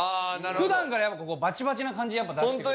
普段からやっぱバチバチな感じやっぱ出してくるんで。